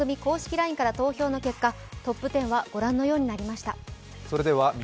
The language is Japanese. ＬＩＮＥから投票の結果、トップ１０はご覧のようになりました。